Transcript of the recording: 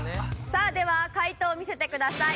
さあでは解答見せてください。